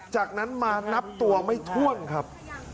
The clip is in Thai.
จากนั้นมานับตัวไม่ถ้วนครับ